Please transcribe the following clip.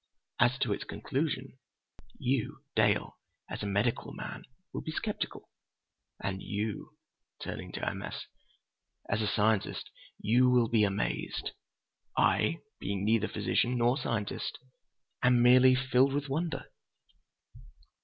"As to its conclusion, you, Dale, as a medical man, will be sceptical. And you"—turning to M. S.—"as a scientist you will be amazed. I, being neither physician nor scientist, am merely filled with wonder!"